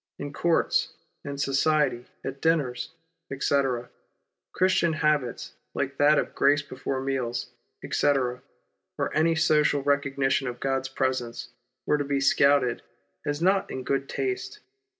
In courts, in society, at dinners, etc., Christian habits, like that of grace before meals, etc., or any social recognition of God's presence, were to be scouted as not in good taste.